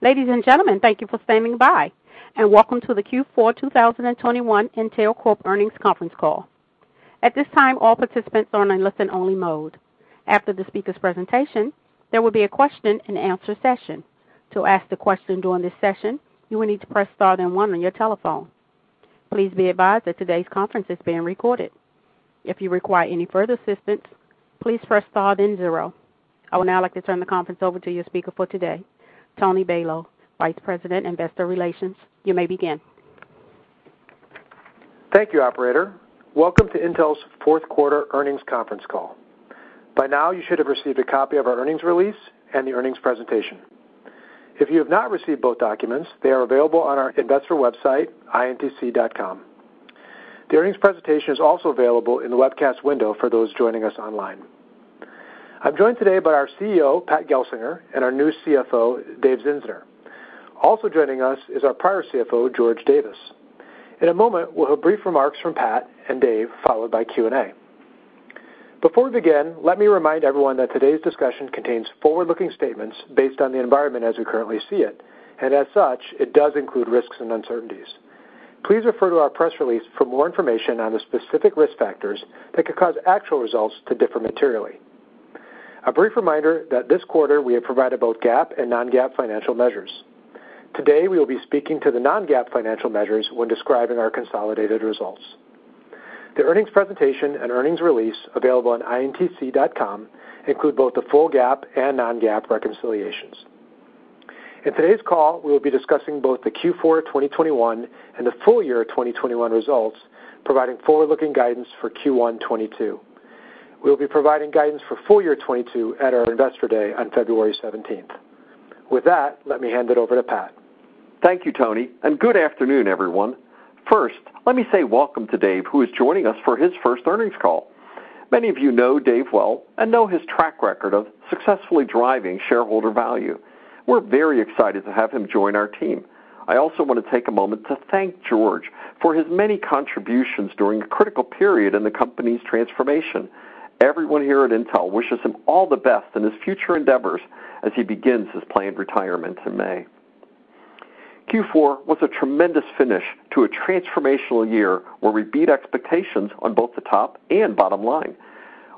Ladies and gentlemen, thank you for standing by, and welcome to the Q4 2021 Intel Corporation Earnings Conference Call. At this time, all participants are in listen-only mode. After the speaker's presentation, there will be a question-and-answer session. To ask the question during this session, you will need to press star then one on your telephone. Please be advised that today's conference is being recorded. If you require any further assistance, please press star then zero. I would now like to turn the conference over to your speaker for today, Tony Balow, Vice President, Investor Relations. You may begin. Thank you, operator. Welcome to Intel's fourth quarter earnings conference call. By now, you should have received a copy of our earnings release and the earnings presentation. If you have not received both documents, they are available on our investor website, intc.com. The earnings presentation is also available in the webcast window for those joining us online. I'm joined today by our CEO, Pat Gelsinger, and our new CFO, Dave Zinsner. Also joining us is our prior CFO, George Davis. In a moment, we'll have brief remarks from Pat and Dave, followed by Q&A. Before we begin, let me remind everyone that today's discussion contains forward-looking statements based on the environment as we currently see it, and as such, it does include risks and uncertainties. Please refer to our press release for more information on the specific risk factors that could cause actual results to differ materially. A brief reminder that this quarter we have provided both GAAP and non-GAAP financial measures. Today, we will be speaking to the non-GAAP financial measures when describing our consolidated results. The earnings presentation and earnings release available on intc.com include both the full GAAP and non-GAAP reconciliations. In today's call, we will be discussing both the Q4 2021 and the full year 2021 results, providing forward-looking guidance for Q1 2022. We will be providing guidance for full year 2022 at our Investor Day on February 17. With that, let me hand it over to Pat. Thank you, Tony, and good afternoon, everyone. First, let me say welcome to Dave, who is joining us for his first earnings call. Many of you know Dave well and know his track record of successfully driving shareholder value. We're very excited to have him join our team. I also want to take a moment to thank George for his many contributions during a critical period in the company's transformation. Everyone here at Intel wishes him all the best in his future endeavors as he begins his planned retirement in May. Q4 was a tremendous finish to a transformational year where we beat expectations on both the top and bottom line.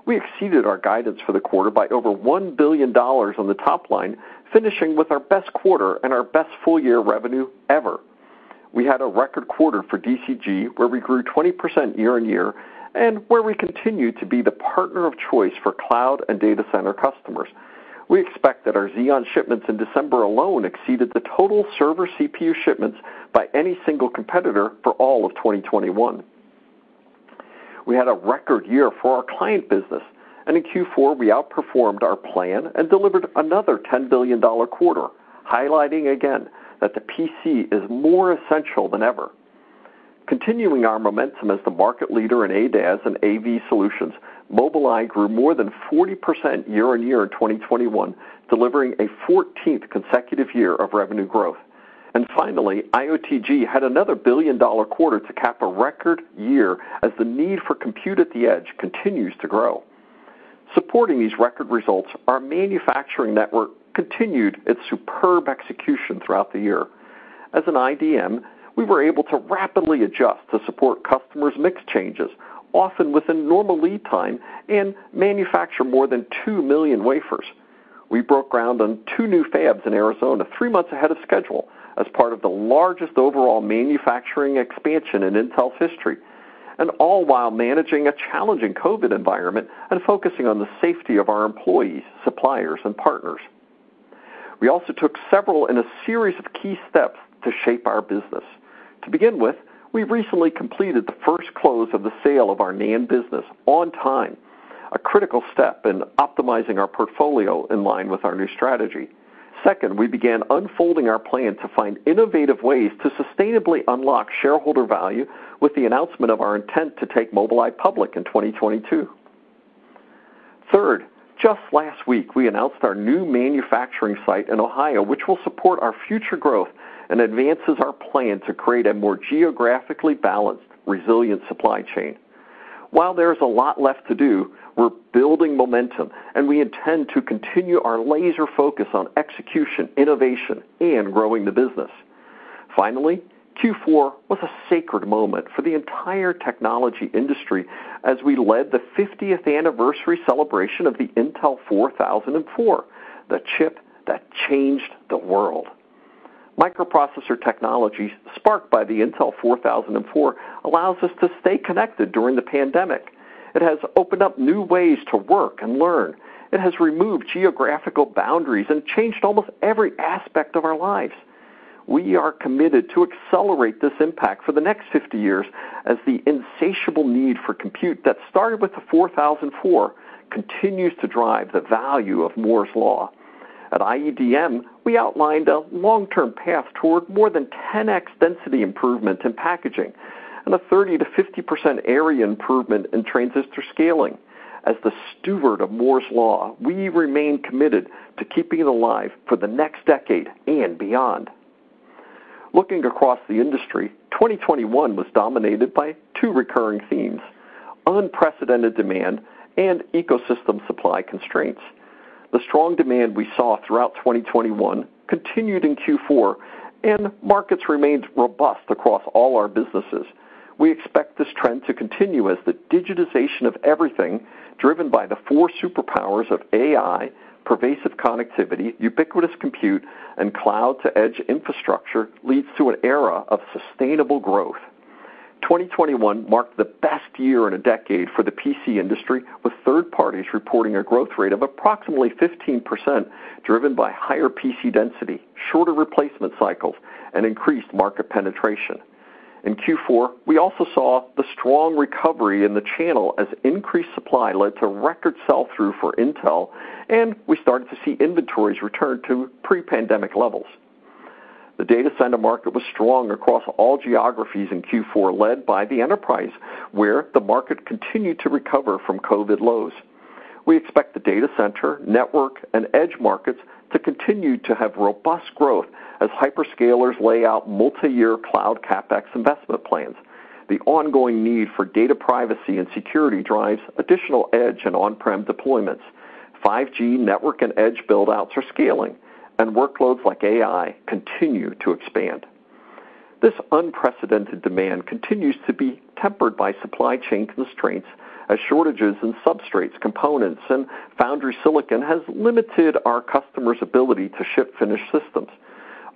We exceeded our guidance for the quarter by over $1 billion on the top line, finishing with our best quarter and our best full-year revenue ever. We had a record quarter for DCG, where we grew 20% year-on-year and where we continued to be the partner of choice for cloud and data center customers. We expect that our Xeon shipments in December alone exceeded the total server CPU shipments by any single competitor for all of 2021. We had a record year for our client business, and in Q4, we outperformed our plan and delivered another $10 billion quarter, highlighting again that the PC is more essential than ever. Continuing our momentum as the market leader in ADAS and AV solutions, Mobileye grew more than 40% year-on-year in 2021, delivering a 14th consecutive year of revenue growth. Finally, IOTG had another billion-dollar quarter to cap a record year as the need for compute at the edge continues to grow. Supporting these record results, our manufacturing network continued its superb execution throughout the year. As an IDM, we were able to rapidly adjust to support customers' mix changes, often within normal lead time and manufacture more than 2 million wafers. We broke ground on two new fabs in Arizona three months ahead of schedule as part of the largest overall manufacturing expansion in Intel's history, and all while managing a challenging COVID environment and focusing on the safety of our employees, suppliers, and partners. We also took several in a series of key steps to shape our business. To begin with, we recently completed the first close of the sale of our NAND business on time, a critical step in optimizing our portfolio in line with our new strategy. Second, we began unfolding our plan to find innovative ways to sustainably unlock shareholder value with the announcement of our intent to take Mobileye public in 2022. Third, just last week, we announced our new manufacturing site in Ohio, which will support our future growth and advances our plan to create a more geographically balanced, resilient supply chain. While there's a lot left to do, we're building momentum, and we intend to continue our laser focus on execution, innovation, and growing the business. Finally, Q4 was a seminal moment for the entire technology industry as we led the 50th anniversary celebration of the Intel 4004, the chip that changed the world. Microprocessor technologies sparked by the Intel 4004 allows us to stay connected during the pandemic. It has opened up new ways to work and learn. It has removed geographical boundaries and changed almost every aspect of our lives. We are committed to accelerate this impact for the next 50 years as the insatiable need for compute that started with the 4004 continues to drive the value of Moore's Law. At IEDM, we outlined a long-term path toward more than 10X density improvement in packaging and a 30%-50% area improvement in transistor scaling. As the steward of Moore's Law, we remain committed to keeping it alive for the next decade and beyond. Looking across the industry, 2021 was dominated by two recurring themes, unprecedented demand and ecosystem supply constraints. The strong demand we saw throughout 2021 continued in Q4, and markets remained robust across all our businesses. We expect this trend to continue as the digitization of everything, driven by the four superpowers of AI, pervasive connectivity, ubiquitous compute, and cloud-to-edge infrastructure leads to an era of sustainable growth. 2021 marked the best year in a decade for the PC industry, with third parties reporting a growth rate of approximately 15%, driven by higher PC density, shorter replacement cycles, and increased market penetration. In Q4, we also saw the strong recovery in the channel as increased supply led to record sell-through for Intel, and we started to see inventories return to pre-pandemic levels. The data center market was strong across all geographies in Q4, led by the enterprise, where the market continued to recover from COVID lows. We expect the data center, network, and edge markets to continue to have robust growth as hyperscalers lay out multiyear cloud CapEx investment plans. The ongoing need for data privacy and security drives additional edge and on-prem deployments. 5G network and edge build-outs are scaling, and workloads like AI continue to expand. This unprecedented demand continues to be tempered by supply chain constraints as shortages in substrates, components, and foundry silicon has limited our customers' ability to ship finished systems.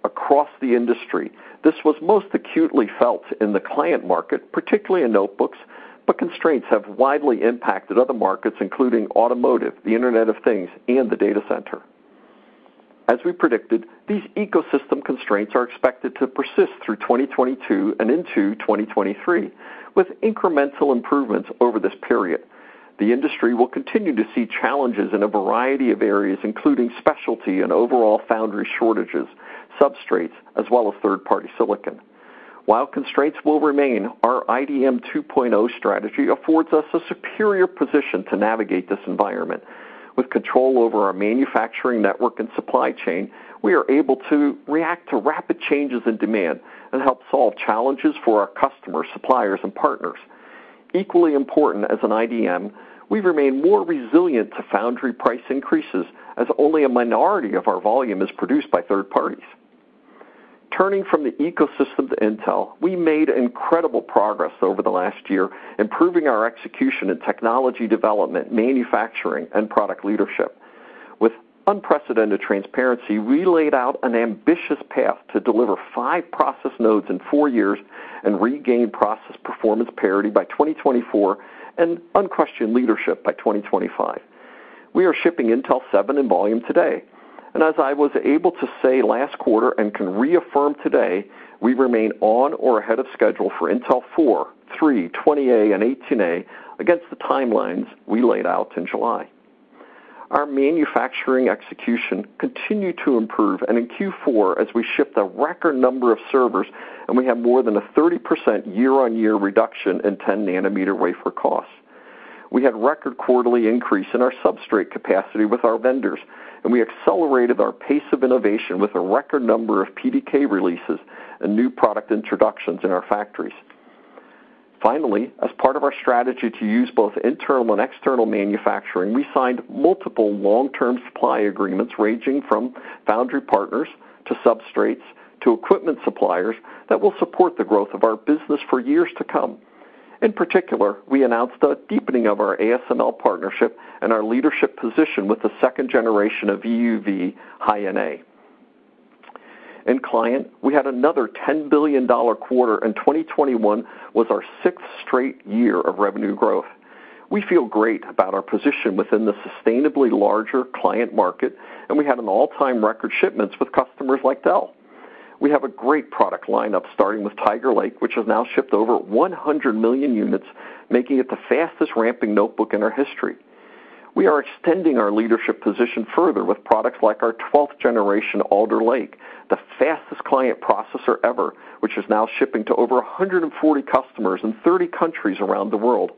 Across the industry, this was most acutely felt in the client market, particularly in notebooks, but constraints have widely impacted other markets, including automotive, the Internet of Things, and the data center. As we predicted, these ecosystem constraints are expected to persist through 2022 and into 2023, with incremental improvements over this period. The industry will continue to see challenges in a variety of areas, including specialty and overall foundry shortages, substrates, as well as third-party silicon. While constraints will remain, our IDM 2.0 strategy affords us a superior position to navigate this environment. With control over our manufacturing network and supply chain, we are able to react to rapid changes in demand and help solve challenges for our customers, suppliers, and partners. Equally important, as an IDM, we remain more resilient to foundry price increases, as only a minority of our volume is produced by third parties. Turning from the ecosystem to Intel, we made incredible progress over the last year improving our execution in technology development, manufacturing, and product leadership. With unprecedented transparency, we laid out an ambitious path to deliver five process nodes in four years and regain process performance parity by 2024 and unquestioned leadership by 2025. We are shipping Intel 7 in volume today. As I was able to say last quarter and can reaffirm today, we remain on or ahead of schedule for Intel 4, 3, 20A, and 18A against the timelines we laid out in July. Our manufacturing execution continued to improve in Q4 as we shipped a record number of servers, and we had more than a 30% year-on-year reduction in 10-nanometer wafer costs. We had record quarterly increase in our substrate capacity with our vendors, and we accelerated our pace of innovation with a record number of PDK releases and new product introductions in our factories. Finally, as part of our strategy to use both internal and external manufacturing, we signed multiple long-term supply agreements ranging from foundry partners to substrates to equipment suppliers that will support the growth of our business for years to come. In particular, we announced a deepening of our ASML partnership and our leadership position with the second generation of High NA EUV. In Client, we had another $10 billion quarter, and 2021 was our sixth straight year of revenue growth. We feel great about our position within the sustainably larger client market, and we had an all-time record shipments with customers like Dell. We have a great product lineup, starting with Tiger Lake, which has now shipped over 100 million units, making it the fastest ramping notebook in our history. We are extending our leadership position further with products like our 12th generation Alder Lake, the fastest client processor ever, which is now shipping to over 140 customers in 30 countries around the world.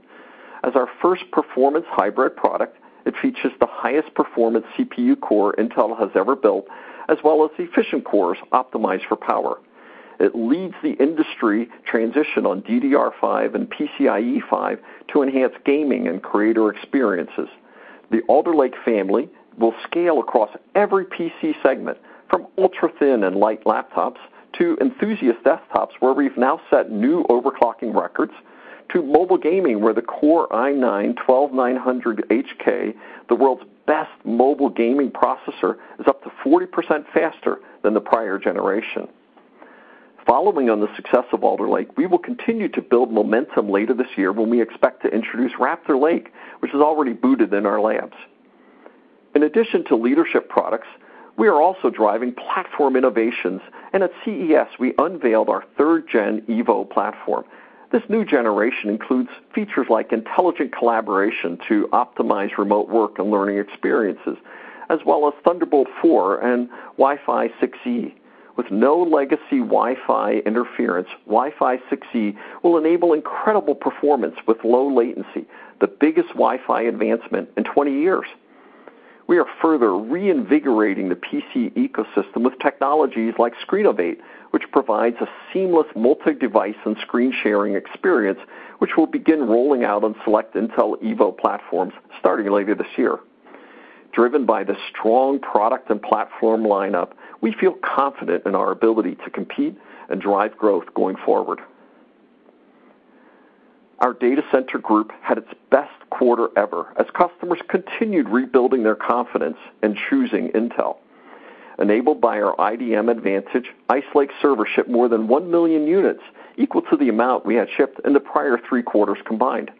As our first performance hybrid product, it features the highest performance CPU core Intel has ever built, as well as efficient cores optimized for power. It leads the industry transition on DDR5 and PCIe 5 to enhance gaming and creator experiences. The Alder Lake family will scale across every PC segment, from ultra-thin and light laptops to enthusiast desktops, where we've now set new overclocking records, to mobile gaming, where the Core i9-12900HK, the world's best mobile gaming processor, is up to 40% faster than the prior generation. Following on the success of Alder Lake, we will continue to build momentum later this year when we expect to introduce Raptor Lake, which is already booted in our labs. In addition to leadership products, we are also driving platform innovations. At CES, we unveiled our third gen Evo platform. This new generation includes features like intelligent collaboration to optimize remote work and learning experiences, as well as Thunderbolt 4 and Wi-Fi 6E. With no legacy Wi-Fi interference, Wi-Fi 6E will enable incredible performance with low latency, the biggest Wi-Fi advancement in 20 years. We are further reinvigorating the PC ecosystem with technologies like Screenovate, which provides a seamless multi-device and screen-sharing experience, which will begin rolling out on select Intel Evo platforms starting later this year. Driven by the strong product and platform lineup, we feel confident in our ability to compete and drive growth going forward. Our Data Center Group had its best quarter ever as customers continued rebuilding their confidence in choosing Intel. Enabled by our IDM advantage, Ice Lake server shipped more than 1 million units, equal to the amount we had shipped in the prior three quarters combined.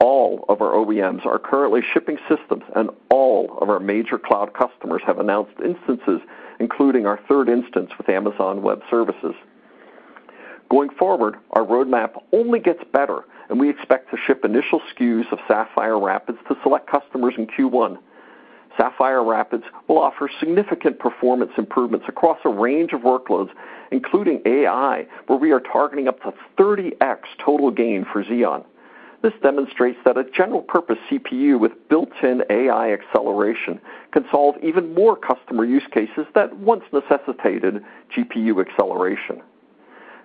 All of our OEMs are currently shipping systems, and all of our major cloud customers have announced instances, including our third instance with Amazon Web Services. Going forward, our roadmap only gets better, and we expect to ship initial SKUs of Sapphire Rapids to select customers in Q1. Sapphire Rapids will offer significant performance improvements across a range of workloads, including AI, where we are targeting up to 30x total gain for Xeon. This demonstrates that a general purpose CPU with built-in AI acceleration can solve even more customer use cases that once necessitated GPU acceleration.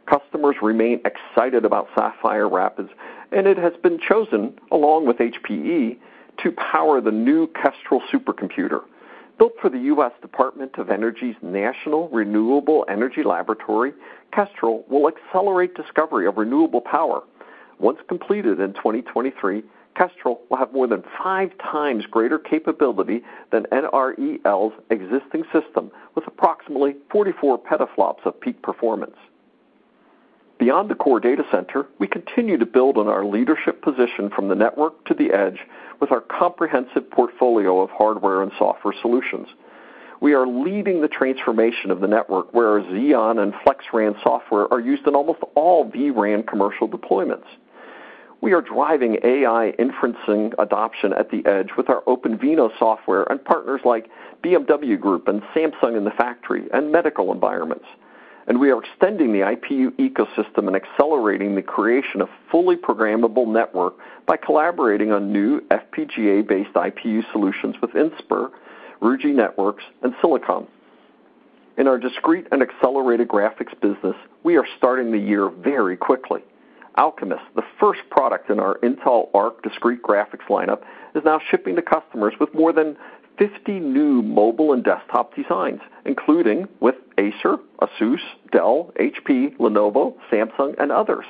Customers remain excited about Sapphire Rapids, and it has been chosen, along with HPE, to power the new Kestrel supercomputer. Built for the U.S. Department of Energy's National Renewable Energy Laboratory, Kestrel will accelerate discovery of renewable power. Once completed in 2023, Kestrel will have more than 5 times greater capability than NREL's existing system, with approximately 44 petaflops of peak performance. Beyond the core data center, we continue to build on our leadership position from the network to the edge with our comprehensive portfolio of hardware and software solutions. We are leading the transformation of the network where Xeon and FlexRAN software are used in almost all vRAN commercial deployments. We are driving AI inferencing adoption at the edge with our OpenVINO software and partners like BMW Group and Samsung in the factory and medical environments, and we are extending the IPU ecosystem and accelerating the creation of fully programmable network by collaborating on new FPGA-based IPU solutions with Inspur, Ruijie Networks, and Silicom. In our discrete and accelerated graphics business, we are starting the year very quickly. Alchemist, the first product in our Intel Arc discrete graphics lineup, is now shipping to customers with more than 50 new mobile and desktop designs, including with Acer, ASUS, Dell, HP, Lenovo, Samsung, and others.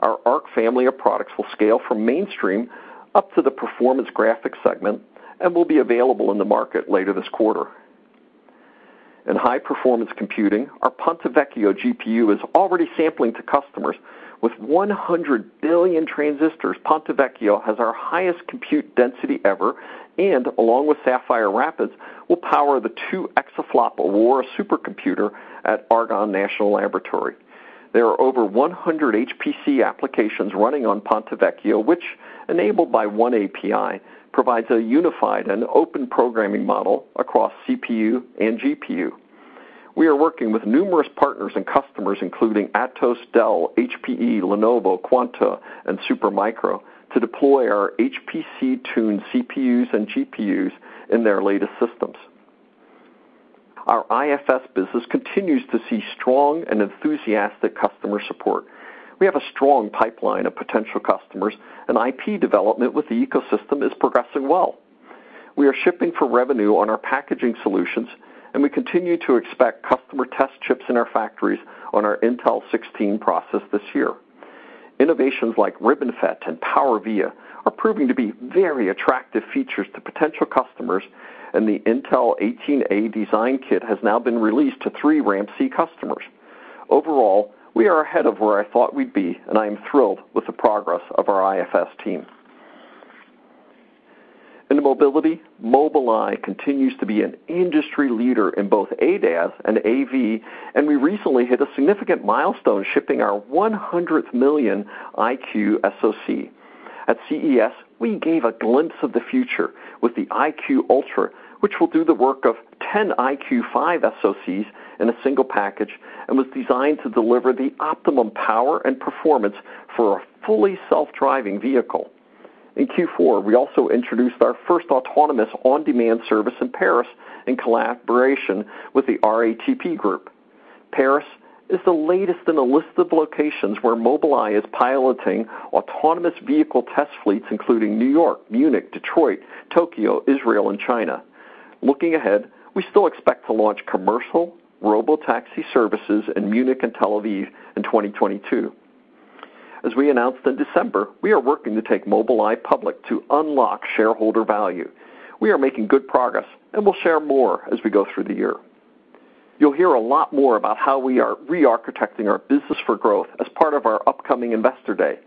Our Arc family of products will scale from mainstream up to the performance graphics segment and will be available in the market later this quarter. In high-performance computing, our Ponte Vecchio GPU is already sampling to customers. With 100 billion transistors, Ponte Vecchio has our highest compute density ever and, along with Sapphire Rapids, will power the 2 exaflop Aurora supercomputer at Argonne National Laboratory. There are over 100 HPC applications running on Ponte Vecchio, which, enabled by oneAPI, provides a unified and open programming model across CPU and GPU. We are working with numerous partners and customers, including Atos, Dell, HPE, Lenovo, Quanta, and Supermicro, to deploy our HPC-tuned CPUs and GPUs in their latest systems. Our IFS business continues to see strong and enthusiastic customer support. We have a strong pipeline of potential customers, and IP development with the ecosystem is progressing well. We are shipping for revenue on our packaging solutions, and we continue to expect customer test chips in our factories on our Intel 16 process this year. Innovations like RibbonFET and PowerVia are proving to be very attractive features to potential customers, and the Intel 18A design kit has now been released to three RAMP-C customers. Overall, we are ahead of where I thought we'd be, and I am thrilled with the progress of our IFS team. In mobility, Mobileye continues to be an industry leader in both ADAS and AV, and we recently hit a significant milestone, shipping our 100 million EyeQ SoC. At CES, we gave a glimpse of the future with the EyeQ Ultra, which will do the work of 10 EyeQ5 SoCs in a single package and was designed to deliver the optimum power and performance for a fully self-driving vehicle. In Q4, we also introduced our first autonomous on-demand service in Paris in collaboration with the RATP Group. Paris is the latest in a list of locations where Mobileye is piloting autonomous vehicle test fleets including New York, Munich, Detroit, Tokyo, Israel, and China. Looking ahead, we still expect to launch commercial robotaxi services in Munich and Tel Aviv in 2022. As we announced in December, we are working to take Mobileye public to unlock shareholder value. We are making good progress and will share more as we go through the year. You'll hear a lot more about how we are re-architecting our business for growth as part of our upcoming Investor Day.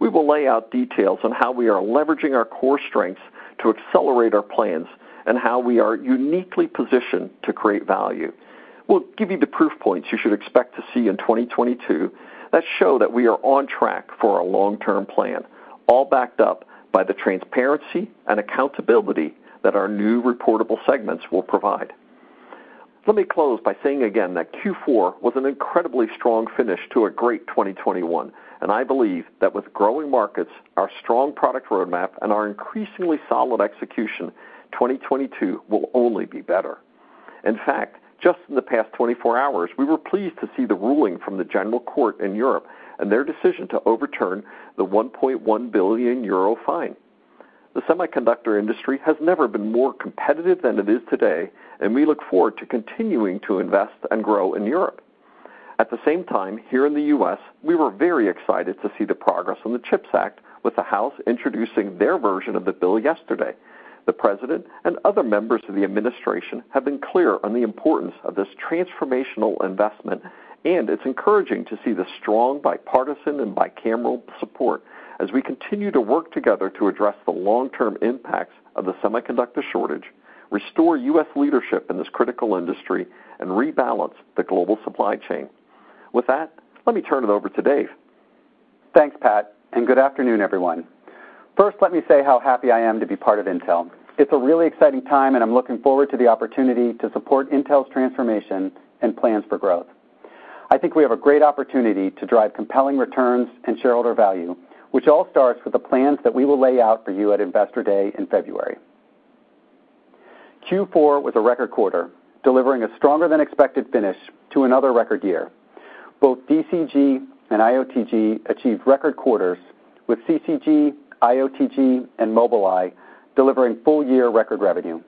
We will lay out details on how we are leveraging our core strengths to accelerate our plans and how we are uniquely positioned to create value. We'll give you the proof points you should expect to see in 2022 that show that we are on track for our long-term plan, all backed up by the transparency and accountability that our new reportable segments will provide. Let me close by saying again that Q4 was an incredibly strong finish to a great 2021, and I believe that with growing markets, our strong product roadmap, and our increasingly solid execution, 2022 will only be better. In fact, just in the past 24 hours, we were pleased to see the ruling from the General Court in Europe and their decision to overturn the 1.1 billion euro fine. The semiconductor industry has never been more competitive than it is today, and we look forward to continuing to invest and grow in Europe. At the same time, here in the U.S., we were very excited to see the progress on the CHIPS Act with the House introducing their version of the bill yesterday. The President and other members of the administration have been clear on the importance of this transformational investment, and it's encouraging to see the strong bipartisan and bicameral support as we continue to work together to address the long-term impacts of the semiconductor shortage, restore U.S. leadership in this critical industry, and rebalance the global supply chain. With that, let me turn it over to Dave. Thanks, Pat, and good afternoon, everyone. First, let me say how happy I am to be part of Intel. It's a really exciting time, and I'm looking forward to the opportunity to support Intel's transformation and plans for growth. I think we have a great opportunity to drive compelling returns and shareholder value, which all starts with the plans that we will lay out for you at Investor Day in February. Q4 was a record quarter, delivering a stronger than expected finish to another record year. Both DCG and IOTG achieved record quarters with CCG, IOTG, and Mobileye delivering full year record revenue.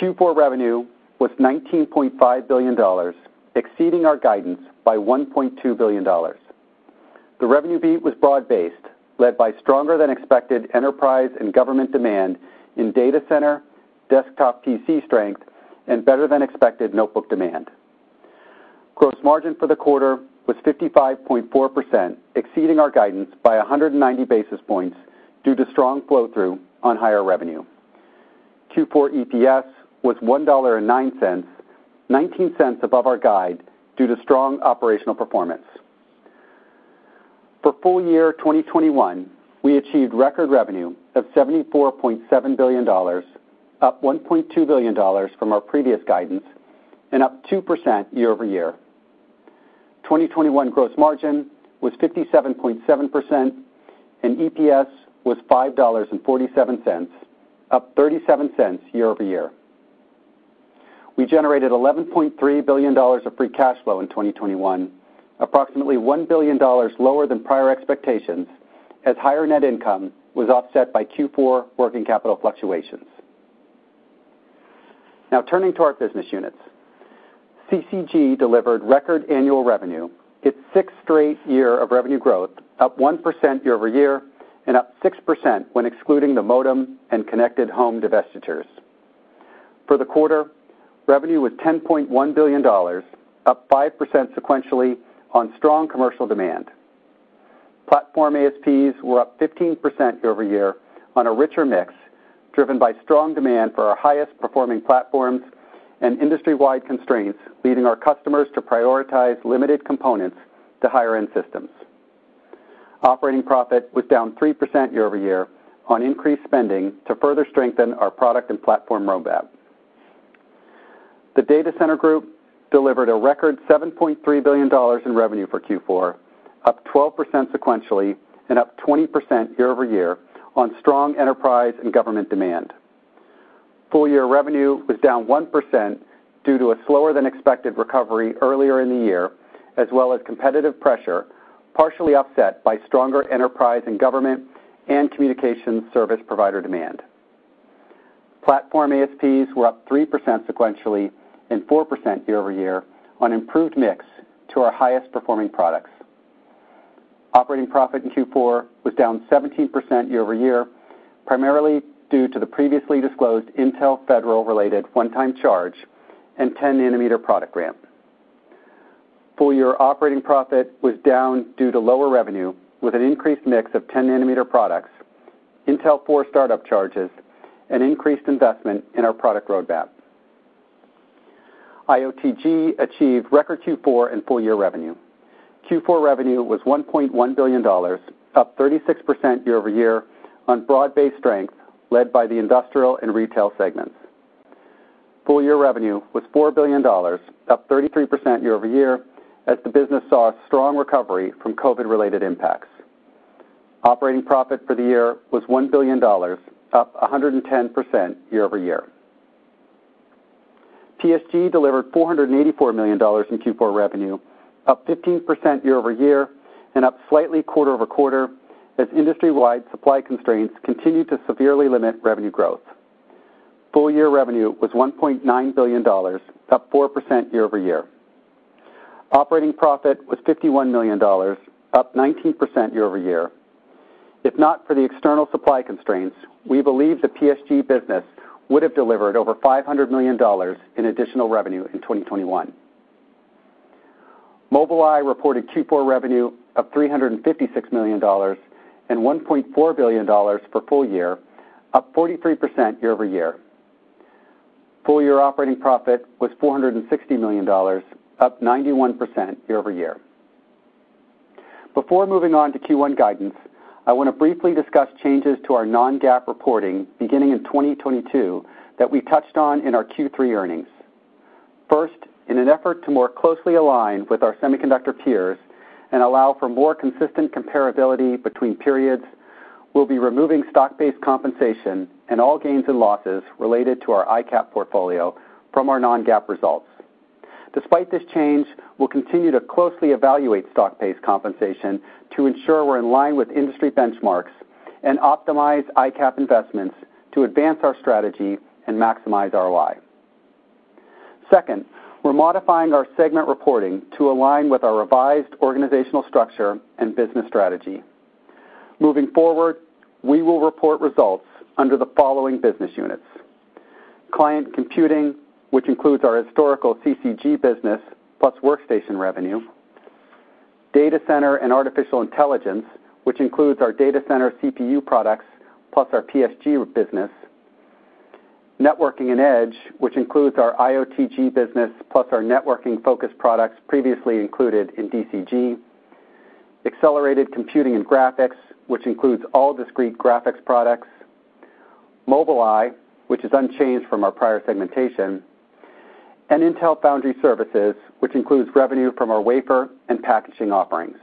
Q4 revenue was $19.5 billion, exceeding our guidance by $1.2 billion. The revenue beat was broad-based, led by stronger than expected enterprise and government demand in data center, desktop PC strength, and better than expected notebook demand. Gross margin for the quarter was 55.4%, exceeding our guidance by 190 basis points due to strong flow-through on higher revenue. Q4 EPS was $1.09, 19 cents above our guide due to strong operational performance. For full year 2021, we achieved record revenue of $74.7 billion, up $1.2 billion from our previous guidance and up 2% year-over-year. 2021 gross margin was 57.7%, and EPS was $5.47, up 37 cents year-over-year. We generated $11.3 billion of free cash flow in 2021, approximately $1 billion lower than prior expectations as higher net income was offset by Q4 working capital fluctuations. Now turning to our business units. CCG delivered record annual revenue, its sixth straight year of revenue growth up 1% year-over-year and up 6% when excluding the modem and connected home divestitures. For the quarter, revenue was $10.1 billion, up 5% sequentially on strong commercial demand. Platform ASPs were up 15% year-over-year on a richer mix, driven by strong demand for our highest-performing platforms and industry-wide constraints, leading our customers to prioritize limited components to higher-end systems. Operating profit was down 3% year-over-year on increased spending to further strengthen our product and platform roadmap. The Data Center Group delivered a record $7.3 billion in revenue for Q4, up 12% sequentially and up 20% year-over-year on strong enterprise and government demand. Full year revenue was down 1% due to a slower than expected recovery earlier in the year, as well as competitive pressure, partially offset by stronger enterprise and government and communications service provider demand. Platform ASPs were up 3% sequentially and 4% year-over-year on improved mix to our highest-performing products. Operating profit in Q4 was down 17% year-over-year, primarily due to the previously disclosed Intel Federal-related one-time charge and 10-nanometer product ramp. Full year operating profit was down due to lower revenue with an increased mix of 10-nanometer products, Intel 4 startup charges, and increased investment in our product roadmap. IOTG achieved record Q4 in full year revenue. Q4 revenue was $1.1 billion, up 36% year-over-year on broad-based strength led by the industrial and retail segments. Full year revenue was $4 billion, up 33% year-over-year, as the business saw a strong recovery from COVID-related impacts. Operating profit for the year was $1 billion, up 110% year-over-year. PSG delivered $484 million in Q4 revenue, up 15% year-over-year and up slightly quarter-over-quarter as industry-wide supply constraints continued to severely limit revenue growth. Full year revenue was $1.9 billion, up 4% year-over-year. Operating profit was $51 million, up 19% year-over-year. If not for the external supply constraints, we believe the PSG business would have delivered over $500 million in additional revenue in 2021. Mobileye reported Q4 revenue of $356 million and $1.4 billion for full year, up 43% year-over-year. Full year operating profit was $460 million, up 91% year-over-year. Before moving on to Q1 guidance, I want to briefly discuss changes to our non-GAAP reporting beginning in 2022 that we touched on in our Q3 earnings. First, in an effort to more closely align with our semiconductor peers and allow for more consistent comparability between periods, we'll be removing stock-based compensation and all gains and losses related to our ICAP portfolio from our non-GAAP results. Despite this change, we'll continue to closely evaluate stock-based compensation to ensure we're in line with industry benchmarks and optimize ICAP investments to advance our strategy and maximize ROI. Second, we're modifying our segment reporting to align with our revised organizational structure and business strategy. Moving forward, we will report results under the following business units. Client Computing, which includes our historical CCG business plus workstation revenue. Data Center and Artificial Intelligence, which includes our data center CPU products, plus our PSG business. Networking and Edge, which includes our IOTG business, plus our networking focus products previously included in DCG. Accelerated Computing and Graphics, which includes all discrete graphics products. Mobileye, which is unchanged from our prior segmentation, and Intel Foundry Services, which includes revenue from our wafer and packaging offerings.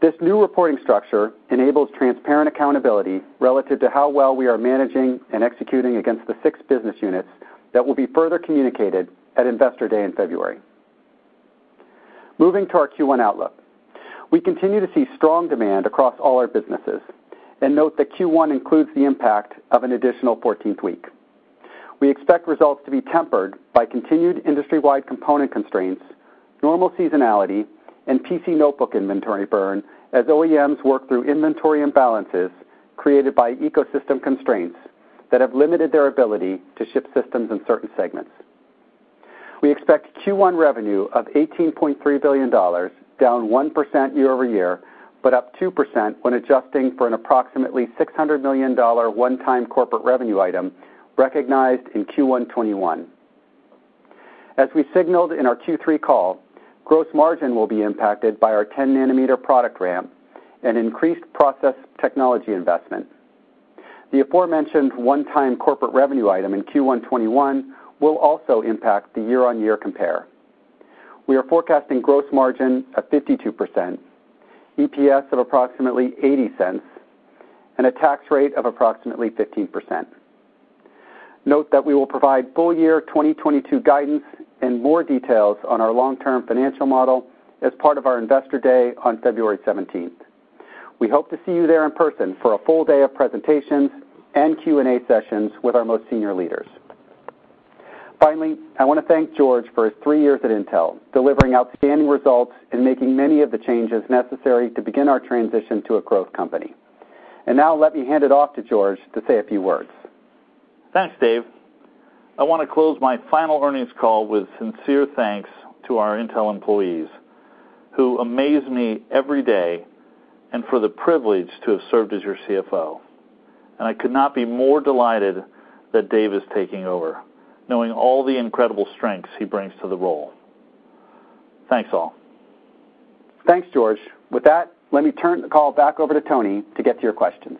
This new reporting structure enables transparent accountability relative to how well we are managing and executing against the six business units that will be further communicated at Investor Day in February. Moving to our Q1 outlook. We continue to see strong demand across all our businesses and note that Q1 includes the impact of an additional fourteenth week. We expect results to be tempered by continued industry-wide component constraints, normal seasonality, and PC notebook inventory burn as OEMs work through inventory imbalances created by ecosystem constraints that have limited their ability to ship systems in certain segments. We expect Q1 revenue of $18.3 billion, down 1% year-over-year, but up 2% when adjusting for an approximately $600 million one-time corporate revenue item recognized in Q1 2021. As we signaled in our Q3 call, gross margin will be impacted by our ten-nanometer product ramp and increased process technology investment. The aforementioned one-time corporate revenue item in Q1 2021 will also impact the year-on-year compare. We are forecasting gross margin of 52%, EPS of approximately $0.80, and a tax rate of approximately 15%. Note that we will provide full year 2022 guidance and more details on our long-term financial model as part of our Investor Day on February 17. We hope to see you there in person for a full day of presentations and Q&A sessions with our most senior leaders. Finally, I want to thank George for his three years at Intel, delivering outstanding results and making many of the changes necessary to begin our transition to a growth company. Now let me hand it off to George to say a few words. Thanks, Dave. I want to close my final earnings call with sincere thanks to our Intel employees who amaze me every day, and for the privilege to have served as your CFO. I could not be more delighted that Dave is taking over, knowing all the incredible strengths he brings to the role. Thanks, all. Thanks, George. With that, let me turn the call back over to Tony to get to your questions.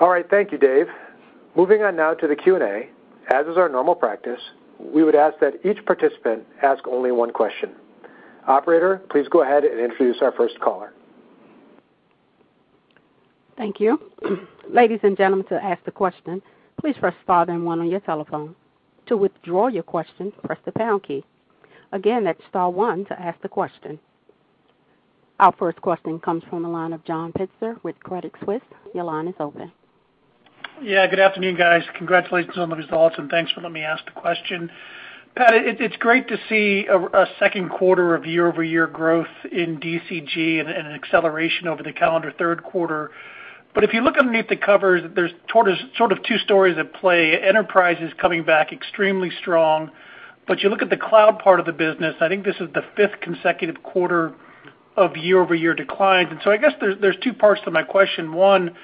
All right. Thank you, Dave. Moving on now to the Q&A. As is our normal practice, we would ask that each participant ask only one question. Operator, please go ahead and introduce our first caller. Thank you. Ladies and gentlemen, to ask the question, please press star then one on your telephone. To withdraw your question, press the pound key. Again, that's star one to ask the question. Our first question comes from the line of John Pitzer with Credit Suisse. Your line is open. Yeah, good afternoon, guys. Congratulations on the results, and thanks for letting me ask the question. Pat, it's great to see a second quarter of year-over-year growth in DCG and an acceleration over the calendar third quarter. If you look underneath the covers, there's sort of two stories at play. Enterprise is coming back extremely strong. You look at the cloud part of the business. I think this is the fifth consecutive quarter of year-over-year declines. I guess there's two parts to my question. One,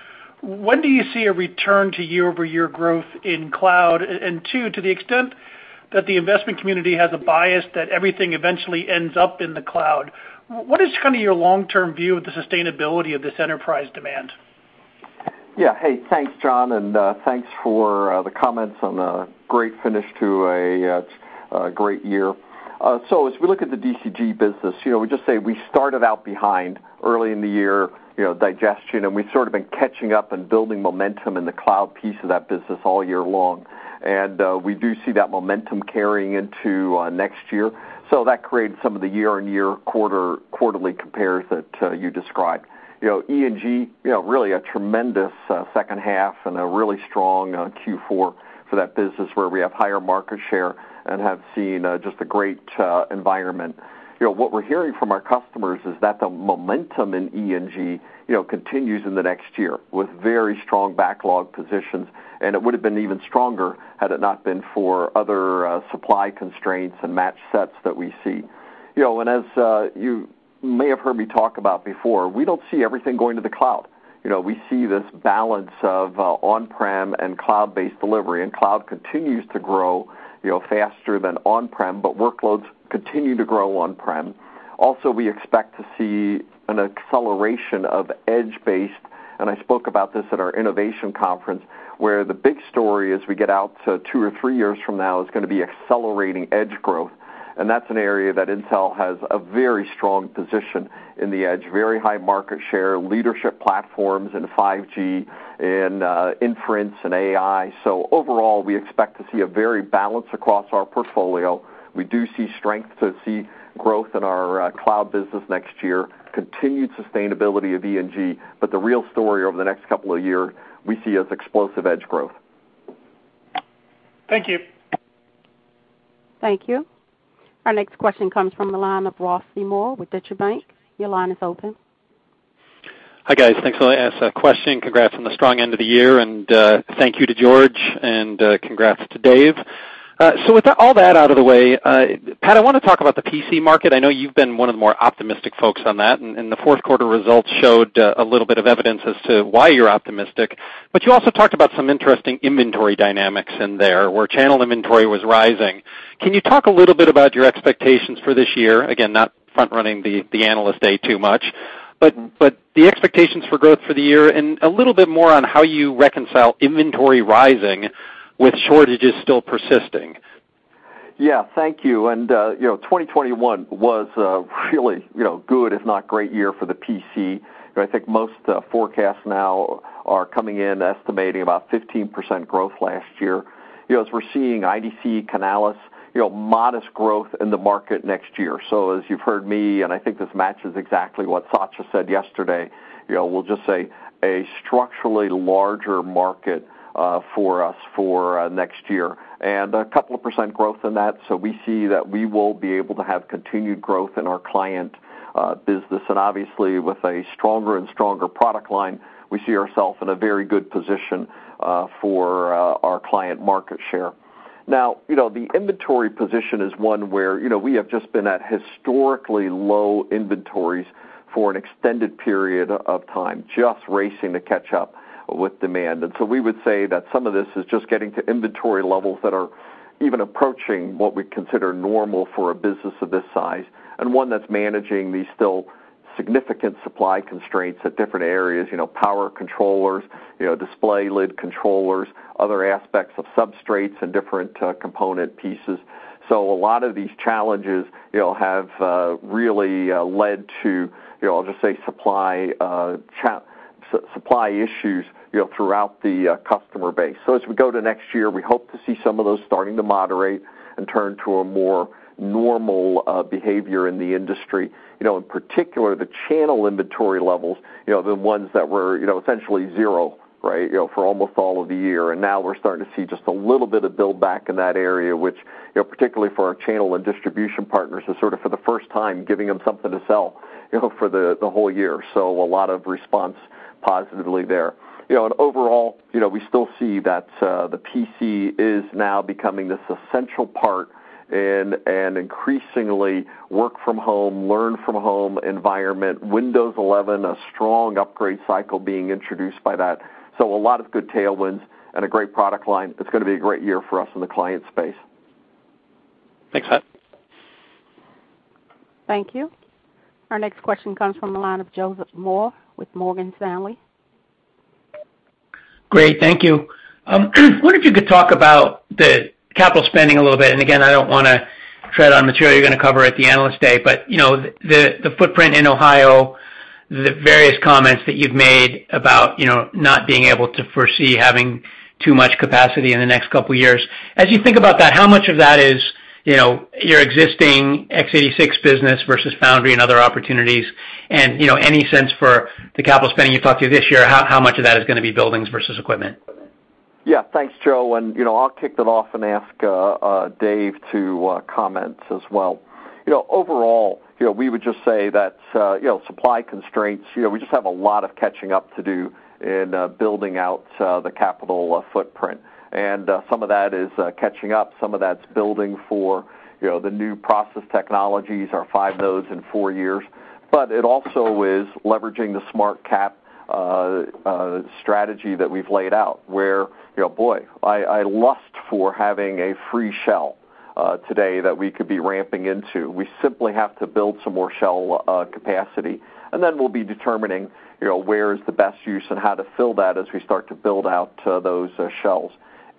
when do you see a return to year-over-year growth in cloud? And two, to the extent that the investment community has a bias that everything eventually ends up in the cloud, what is kind of your long-term view of the sustainability of this enterprise demand? Yeah. Hey, thanks, John, and thanks for the comments on a great finish to a great year. As we look at the DCG business, you know, we just say we started out behind early in the year, you know, digestion, and we've sort of been catching up and building momentum in the cloud piece of that business all year long. We do see that momentum carrying into next year. That created some of the year-on-year quarterly compares that you described. You know, E&G, you know, really a tremendous second half and a really strong Q4 for that business where we have higher market share and have seen just a great environment. You know, what we're hearing from our customers is that the momentum in E&G, you know, continues in the next year with very strong backlog positions. It would have been even stronger had it not been for other, supply constraints and match sets that we see. You know, as you may have heard me talk about before, we don't see everything going to the cloud. You know, we see this balance of, on-prem and cloud-based delivery, and cloud continues to grow, you know, faster than on-prem, but workloads continue to grow on-prem. Also, we expect to see an acceleration of edge-based, and I spoke about this at our innovation conference, where the big story as we get out to two or three years from now is gonna be accelerating edge growth. That's an area that Intel has a very strong position in the edge, very high market share, leadership platforms in 5G, in inference and AI. Overall, we expect to see a very balanced across our portfolio. We do see strength and growth in our cloud business next year and continued sustainability of E&G. The real story over the next couple of years, we see as explosive edge growth. Thank you. Thank you. Our next question comes from the line of Ross Seymore with Deutsche Bank. Your line is open. Hi, guys. Thanks. I'll ask a question. Congrats on the strong end of the year, and thank you to George, and congrats to Dave. With all that out of the way, Pat, I wanna talk about the PC market. I know you've been one of the more optimistic folks on that, and the fourth quarter results showed a little bit of evidence as to why you're optimistic. You also talked about some interesting inventory dynamics in there, where channel inventory was rising. Can you talk a little bit about your expectations for this year? Again, not front-running the Analyst Day too much, but the expectations for growth for the year and a little bit more on how you reconcile inventory rising with shortages still persisting. Yeah, thank you. You know, 2021 was really, you know, good, if not great year for the PC. You know, I think most forecasts now are coming in estimating about 15% growth last year. You know, as we're seeing IDC, Canalys, you know, modest growth in the market next year. As you've heard me, and I think this matches exactly what Satya said yesterday, you know, we'll just say a structurally larger market for us for next year, and a couple of % growth in that. We see that we will be able to have continued growth in our client business. Obviously, with a stronger and stronger product line, we see ourselves in a very good position for our client market share. Now, you know, the inventory position is one where, you know, we have just been at historically low inventories for an extended period of time, just racing to catch up with demand. We would say that some of this is just getting to inventory levels that are even approaching what we consider normal for a business of this size, and one that's managing these still significant supply constraints at different areas, you know, power controllers, you know, display lid controllers, other aspects of substrates and different component pieces. A lot of these challenges, you know, have really led to, you know, I'll just say supply issues, you know, throughout the customer base. As we go to next year, we hope to see some of those starting to moderate and turn to a more normal behavior in the industry. You know, in particular, the channel inventory levels, you know, the ones that were, you know, essentially zero, right, you know, for almost all of the year. Now we're starting to see just a little bit of build-back in that area, which, you know, particularly for our channel and distribution partners, is sort of for the first time giving them something to sell, you know, for the whole year. A lot of response positively there. You know, overall, you know, we still see that the PC is now becoming this essential part in an increasingly work from home, learn from home environment. Windows 11, a strong upgrade cycle being introduced by that. A lot of good tailwinds and a great product line. It's gonna be a great year for us in the client space. Thanks, Pat. Thank you. Our next question comes from the line of Joseph Moore with Morgan Stanley. Great, thank you. I wonder if you could talk about the capital spending a little bit, and again, I don't wanna tread on material you're gonna cover at the Analyst Day, but you know, the footprint in Ohio, the various comments that you've made about, you know, not being able to foresee having too much capacity in the next couple years. As you think about that, how much of that is, you know, your existing x86 business versus foundry and other opportunities? And, you know, any sense for the capital spending you talked about this year, how much of that is gonna be buildings versus equipment? Yeah. Thanks, Joe. You know, I'll kick that off and ask Dave to comment as well. You know, overall, you know, we would just say that, you know, supply constraints, you know, we just have a lot of catching up to do in building out the capital footprint. Some of that is catching up, some of that's building for, you know, the new process technologies, our 5 nodes in 4 years. It also is leveraging the smart CapEx strategy that we've laid out, where, you know, boy, I'd love to have a free slot today that we could be ramping into. We simply have to build some more shell capacity, and then we'll be determining, you know, where is the best use and how to fill that as we start to build out those shells.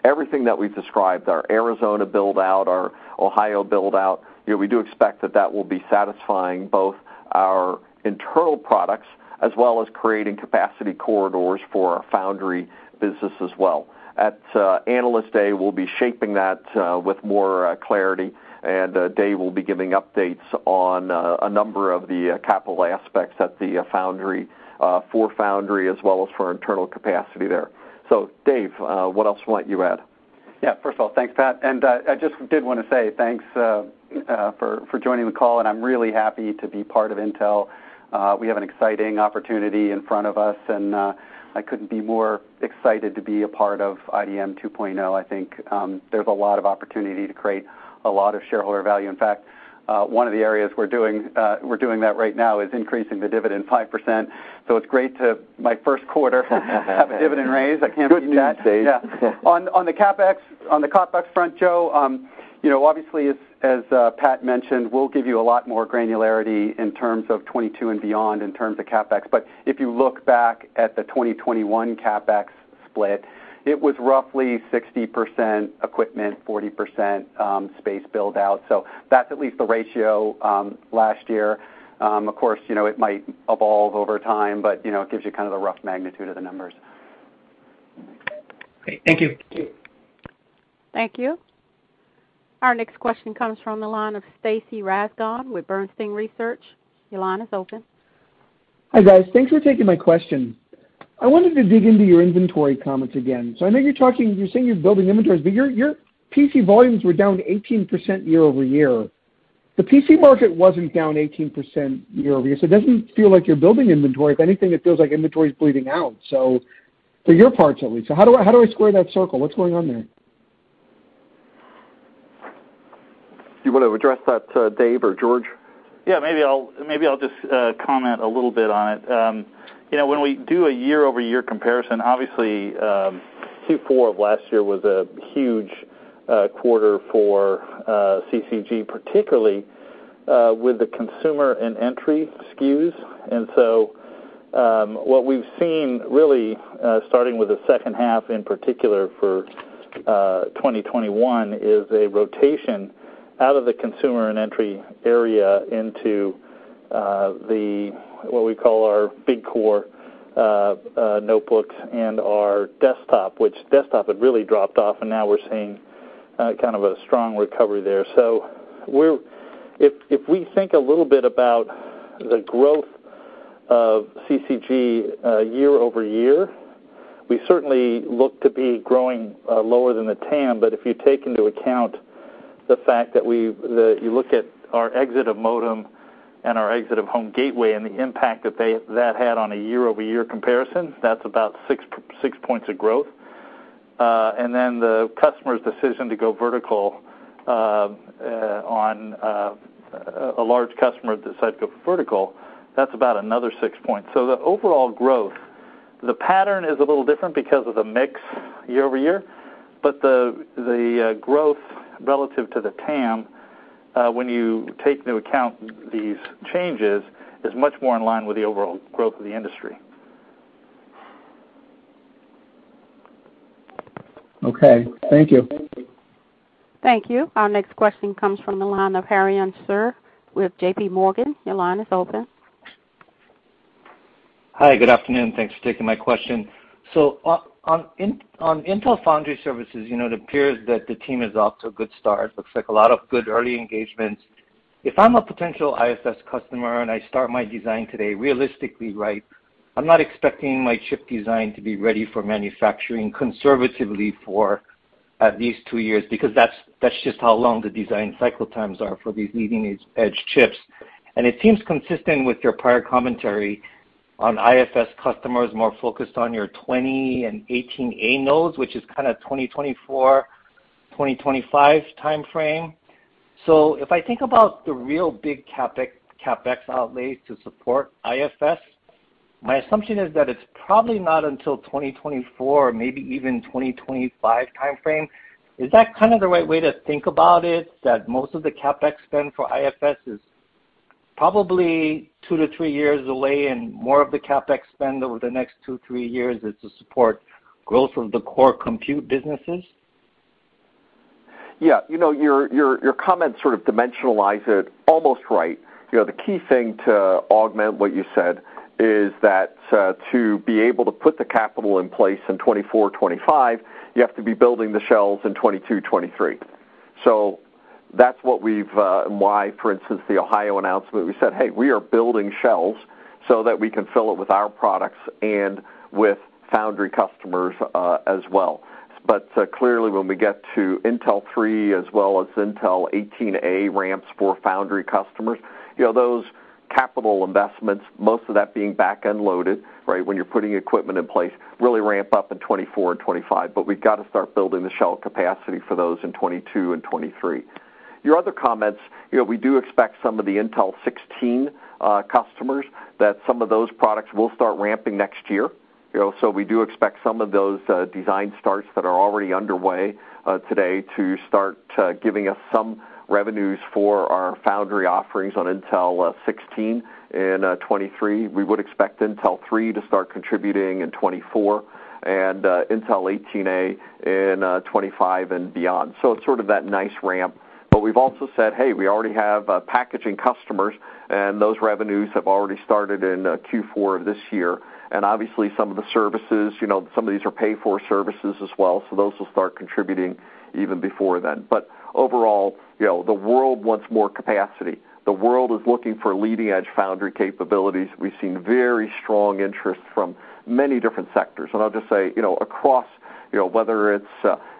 Everything that we've described, our Arizona build-out, our Ohio build-out, you know, we do expect that will be satisfying both our internal products as well as creating capacity corridors for our foundry business as well. At Analyst Day, we'll be shaping that with more clarity, and Dave will be giving updates on a number of the capital aspects at the foundry as well as for our internal capacity there. Dave, what else do you want to add? Yeah. First of all, thanks, Pat. I just did wanna say thanks for joining the call, and I'm really happy to be part of Intel. We have an exciting opportunity in front of us. I couldn't be more excited to be a part of IDM 2.0. I think there's a lot of opportunity to create a lot of shareholder value. In fact, one of the areas we're doing that right now is increasing the dividend 5%. It's great, my first quarter to have a dividend raise. I can't beat that. Good news, Dave. Yeah. On the CapEx front, Joe, you know, obviously as Pat mentioned, we'll give you a lot more granularity in terms of 2022 and beyond in terms of CapEx. If you look back at the 2021 CapEx split, it was roughly 60% equipment, 40% space build-out. That's at least the ratio last year. Of course, you know, it might evolve over time, but you know, it gives you kind of the rough magnitude of the numbers. Great. Thank you. Thank you. Our next question comes from the line of Stacy Rasgon with Bernstein Research. Your line is open. Hi, guys. Thanks for taking my question. I wanted to dig into your inventory comments again. I know you're talking—you're saying you're building inventories, but your PC volumes were down 18% year-over-year. The PC market wasn't down 18% year-over-year, it doesn't feel like you're building inventory. If anything, it feels like inventory is bleeding out, so for your parts, at least. How do I square that circle? What's going on there? Do you want to address that to Dave or George? Yeah, maybe I'll just comment a little bit on it. You know, when we do a year-over-year comparison, obviously, Q4 of last year was a huge quarter for CCG, particularly with the consumer and entry SKUs. What we've seen really starting with the second half in particular for 2021 is a rotation out of the consumer and entry area into what we call our big core notebooks and our desktop, which had really dropped off, and now we're seeing kind of a strong recovery there. If we think a little bit about the growth of CCG year-over-year, we certainly look to be growing lower than the TAM. If you take into account the fact that you look at our exit of modem and our exit of home gateway and the impact that had on a year-over-year comparison, that's about six points of growth. Then the customer's decision to go vertical, a large customer decided to go vertical, that's about another six points. The overall growth, the pattern is a little different because of the mix year-over-year, but the growth relative to the TAM, when you take into account these changes, is much more in line with the overall growth of the industry. Okay. Thank you. Thank you. Our next question comes from the line of Harlan Sur with JPMorgan. Your line is open. Hi, good afternoon. Thanks for taking my question. On Intel Foundry Services, you know, it appears that the team is off to a good start. Looks like a lot of good early engagements. If I'm a potential IFS customer, and I start my design today, realistically, right, I'm not expecting my chip design to be ready for manufacturing conservatively for at least two years because that's just how long the design cycle times are for these leading edge chips. It seems consistent with your prior commentary on IFS customers more focused on your 20 and 18A nodes, which is kind of 2024, 2025 timeframe. If I think about the real big CapEx outlays to support IFS, my assumption is that it's probably not until 2024, maybe even 2025 timeframe. Is that kind of the right way to think about it, that most of the CapEx spend for IFS is probably 2-3 years away, and more of the CapEx spend over the next 2-3 years is to support growth of the core compute businesses? Yeah. You know, your comment sort of dimensionalize it almost right. You know, the key thing to augment what you said is that, to be able to put the capital in place in 2024, 2025, you have to be building the shells in 2022, 2023. That's why, for instance, the Ohio announcement, we said, "Hey, we are building shells so that we can fill it with our products and with foundry customers, as well." Clearly, when we get to Intel 3 as well as Intel 18A ramps for foundry customers, you know, those capital investments, most of that being back-end loaded, right, when you're putting equipment in place, really ramp up in 2024 and 2025, but we've got to start building the shell capacity for those in 2022 and 2023. Your other comments, you know, we do expect some of the Intel 16 customers that some of those products will start ramping next year. You know, we do expect some of those design starts that are already underway today to start giving us some revenues for our foundry offerings on Intel 16 in 2023. We would expect Intel 3 to start contributing in 2024 and Intel 18A in 2025 and beyond. It's sort of that nice ramp. We've also said, "Hey, we already have packaging customers," and those revenues have already started in Q4 of this year. Obviously, some of the services, you know, some of these are pay for services as well, so those will start contributing even before then. Overall, you know, the world wants more capacity. The world is looking for leading-edge foundry capabilities. We've seen very strong interest from many different sectors. I'll just say, you know, across you know, whether it's,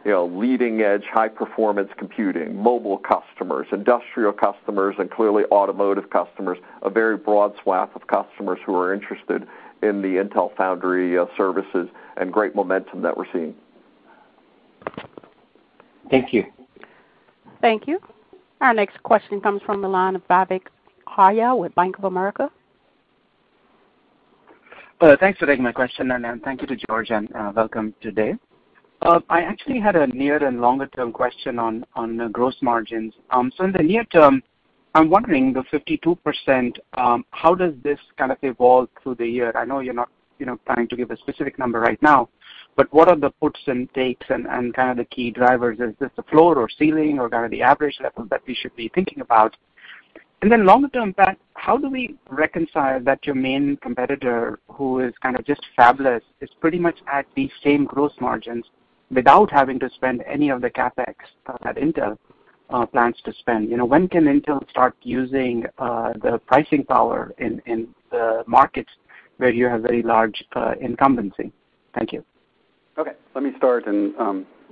you know, leading edge, high performance computing, mobile customers, industrial customers, and clearly automotive customers, a very broad swath of customers who are interested in the Intel Foundry Services and great momentum that we're seeing. Thank you. Thank you. Our next question comes from the line of Vivek Arya with Bank of America. Thanks for taking my question, and then thank you to George, and welcome to Dave. I actually had a near and longer term question on the gross margins. So in the near term, I'm wondering the 52%, how does this kind of evolve through the year? I know you're not, you know, planning to give a specific number right now, but what are the puts and takes and kind of the key drivers? Is this a floor or ceiling or kind of the average level that we should be thinking about? And then longer term, Pat, how do we reconcile that your main competitor, who is kind of just fabulous, is pretty much at the same gross margins without having to spend any of the CapEx that Intel plans to spend? You know, when can Intel start using the pricing power in the markets where you have very large incumbency? Thank you. Okay. Let me start and,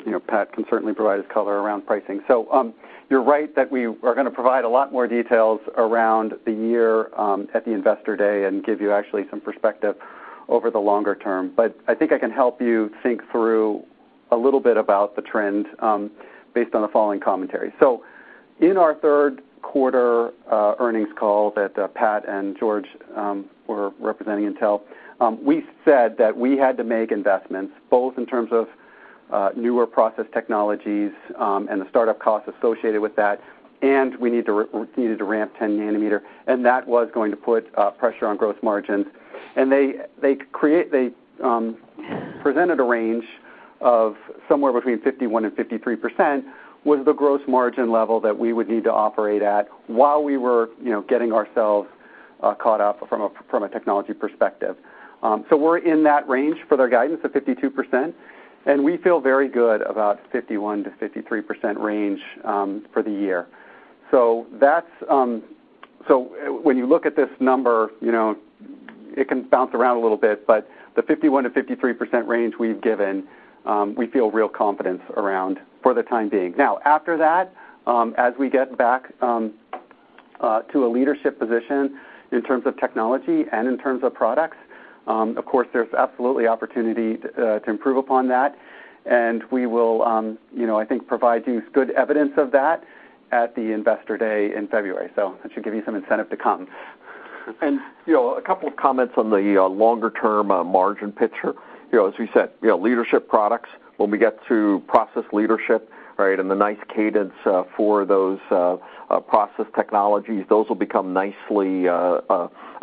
you know, Pat can certainly provide his color around pricing. You're right that we are gonna provide a lot more details for the year, at the Investor Day and give you actually some perspective over the longer term. I think I can help you think through a little bit about the trend, based on the following commentary. In our third quarter earnings call that Pat and George were representing Intel, we said that we had to make investments both in terms of newer process technologies and the start-up costs associated with that, and we needed to ramp 10 nanometer, and that was going to put pressure on gross margins. They presented a range of somewhere between 51% and 53% was the gross margin level that we would need to operate at while we were, you know, getting ourselves caught up from a technology perspective. We're in that range for their guidance of 52%, and we feel very good about 51%-53% range for the year. When you look at this number, you know, it can bounce around a little bit, but the 51%-53% range we've given, we feel real confidence around for the time being. Now, after that, as we get back to a leadership position in terms of technology and in terms of products, of course, there's absolutely opportunity to improve upon that, and we will, you know, I think, provide you good evidence of that at the Investor Day in February. So that should give you some incentive to come. You know, a couple of comments on the longer term, margin picture. You know, as we said, you know, leadership products, when we get to process leadership, right, and the nice cadence, for those, process technologies, those will become nicely,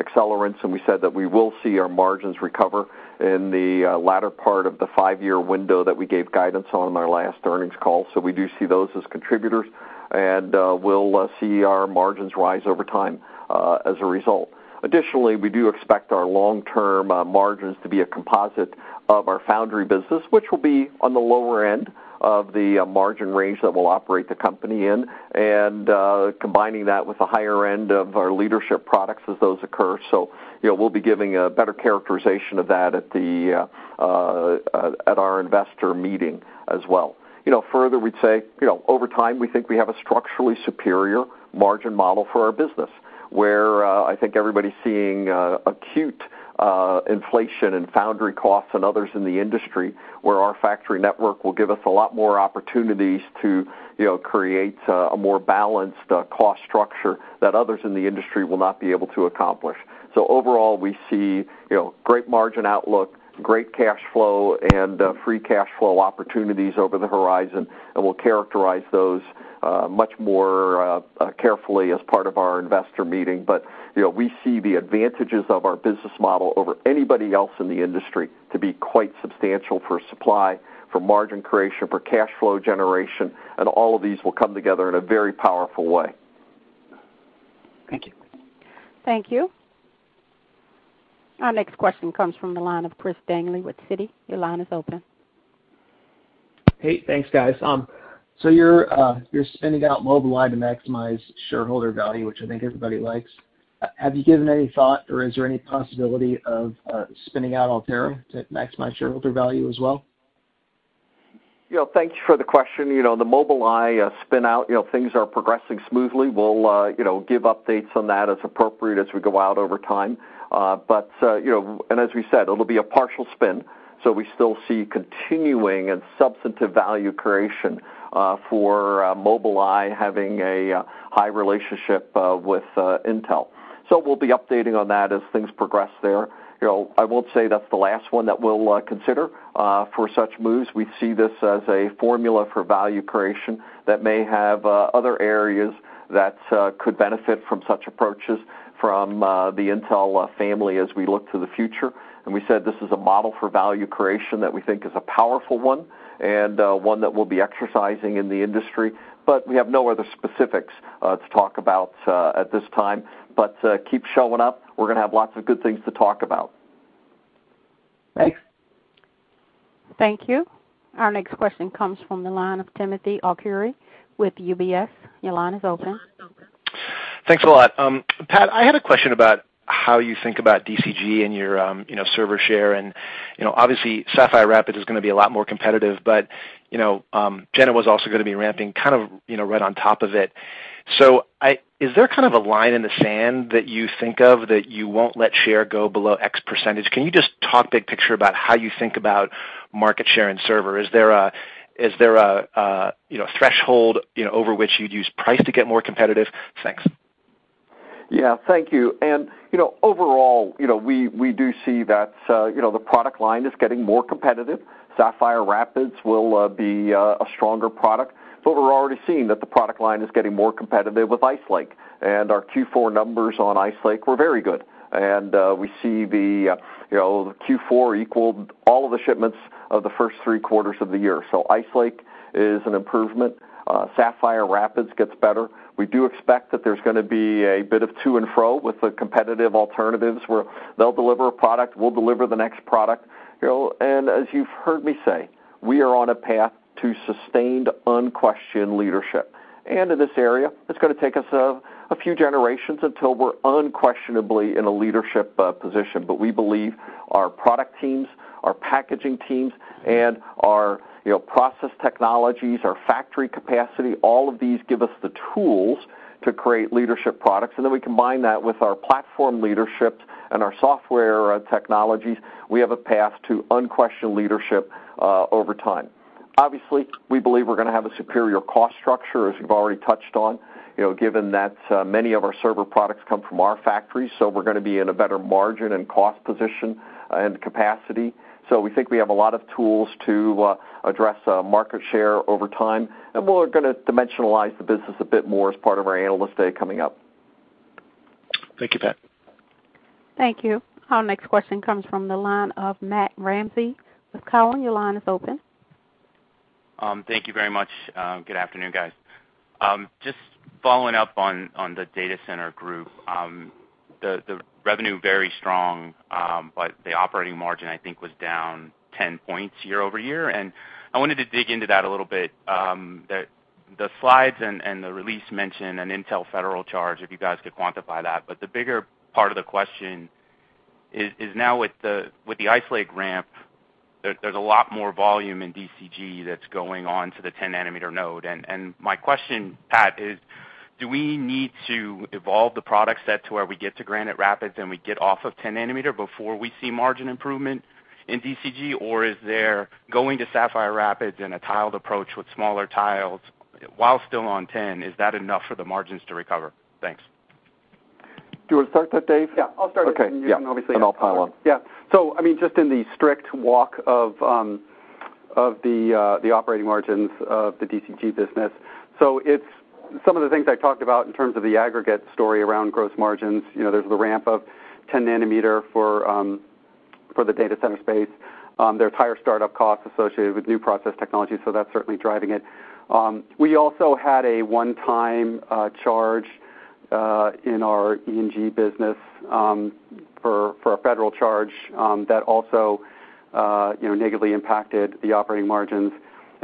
accelerants. We said that we will see our margins recover in the latter part of the five-year window that we gave guidance on in our last earnings call. We do see those as contributors, and, we'll see our margins rise over time, as a result. Additionally, we do expect our long-term, margins to be a composite of our foundry business, which will be on the lower end of the, margin range that we'll operate the company in, and, combining that with the higher end of our leadership products as those occur. You know, we'll be giving a better characterization of that at our investor meeting as well. You know, further, we'd say, you know, over time, we think we have a structurally superior margin model for our business, where I think everybody's seeing acute inflation in foundry costs and others in the industry, where our factory network will give us a lot more opportunities to, you know, create a more balanced cost structure that others in the industry will not be able to accomplish. Overall, we see, you know, great margin outlook, great cash flow, and free cash flow opportunities over the horizon, and we'll characterize those much more carefully as part of our investor meeting. You know, we see the advantages of our business model over anybody else in the industry to be quite substantial for supply, for margin creation, for cash flow generation, and all of these will come together in a very powerful way. Thank you. Thank you. Our next question comes from the line of Chris Danely with Citi. Your line is open. Hey, thanks, guys. You're spinning out Mobileye to maximize shareholder value, which I think everybody likes. Have you given any thought or is there any possibility of spinning out Altera to maximize shareholder value as well? You know, thank you for the question. You know, the Mobileye spin-out, you know, things are progressing smoothly. We'll, you know, give updates on that as appropriate as we go out over time. You know, as we said, it'll be a partial spin, so we still see continuing and substantive value creation for Mobileye having a high relationship with Intel. We'll be updating on that as things progress there. You know, I won't say that's the last one that we'll consider for such moves. We see this as a formula for value creation that may have other areas that could benefit from such approaches from the Intel family as we look to the future. We said this is a model for value creation that we think is a powerful one and one that we'll be exercising in the industry. We have no other specifics to talk about at this time. Keep showing up. We're gonna have lots of good things to talk about. Thanks. Thank you. Our next question comes from the line of Timothy Arcuri with UBS. Your line is open. Thanks a lot. Pat, I had a question about how you think about DCG and your server share, and you know, obviously, Sapphire Rapids is gonna be a lot more competitive, but you know, Genoa was also gonna be ramping kind of right on top of it. Is there kind of a line in the sand that you think of that you won't let share go below X percentage? Can you just talk big picture about how you think about market share and server? Is there a threshold over which you'd use price to get more competitive? Thanks. Yeah. Thank you. You know, overall, you know, we do see that, you know, the product line is getting more competitive. Sapphire Rapids will be a stronger product, but we're already seeing that the product line is getting more competitive with Ice Lake. Our Q4 numbers on Ice Lake were very good. We see the, you know, Q4 equaled all of the shipments of the first three quarters of the year. Ice Lake is an improvement. Sapphire Rapids gets better. We do expect that there's gonna be a bit of to and fro with the competitive alternatives, where they'll deliver a product, we'll deliver the next product. You know, and as you've heard me say, we are on a path to sustained, unquestioned leadership. In this area, it's gonna take us a few generations until we're unquestionably in a leadership position. We believe our product teams, our packaging teams, and our process technologies, our factory capacity, all of these give us the tools to create leadership products. Then we combine that with our platform leadership and our software technologies. We have a path to unquestioned leadership over time. Obviously, we believe we're gonna have a superior cost structure, as you've already touched on, you know, given that many of our server products come from our factories, so we're gonna be in a better margin and cost position and capacity. We think we have a lot of tools to address market share over time, and we're gonna dimensionalize the business a bit more as part of our Analyst Day coming up. Thank you, Pat. Thank you. Our next question comes from the line of Matt Ramsay with Cowen. Your line is open. Thank you very much. Good afternoon, guys. Just following up on the Data Center group. The revenue, very strong, but the operating margin, I think, was down 10 points year-over-year. I wanted to dig into that a little bit, that the slides and the release mention an Intel Federal charge, if you guys could quantify that. The bigger part of the question is now with the Ice Lake ramp, there's a lot more volume in DCG that's going on to the 10-nanometer node. My question, Pat, is do we need to evolve the product set to where we get to Granite Rapids, and we get off of 10-nanometer before we see margin improvement in DCG? Is there going to Sapphire Rapids in a tiled approach with smaller tiles while still on 10, is that enough for the margins to recover? Thanks. Do you want to start that, Dave? Yeah. I'll start it. Okay. Yeah. You can obviously. I'll follow up. Yeah. I mean, just in the strict walkthrough of the operating margins of the DCG business. It's some of the things I talked about in terms of the aggregate story around gross margins. You know, there's the ramp of 10 nanometer for the data center space. There's higher startup costs associated with new process technology, so that's certainly driving it. We also had a one-time charge in our E&G business for a federal charge that also, you know, negatively impacted the operating margins.